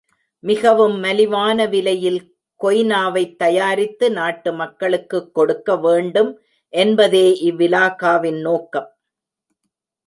மிகவும் மலிவான விலையில் கொய்னாவைத் தயாரித்து நாட்டு மக்களுக்குக் கொடுக்க வேண்டும் என்பதே இவ்விலாகா வின் நோக்கம்.